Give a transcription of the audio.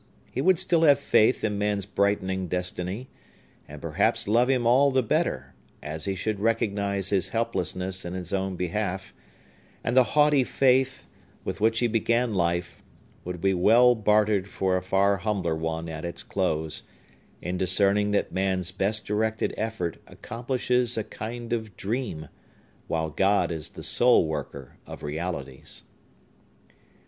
He would still have faith in man's brightening destiny, and perhaps love him all the better, as he should recognize his helplessness in his own behalf; and the haughty faith, with which he began life, would be well bartered for a far humbler one at its close, in discerning that man's best directed effort accomplishes a kind of dream, while God is the sole worker of realities.